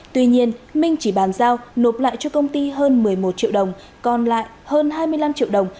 tuy nhiên minh chỉ bàn giao nộp lại cho công ty hơn một mươi một triệu đồng còn lại hơn hai mươi năm triệu đồng